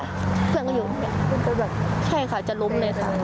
เพื่อนก็อยู่แค่ขาจะล้มเลยค่ะ